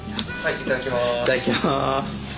いただきます。